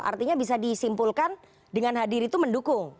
artinya bisa disimpulkan dengan hadir itu mendukung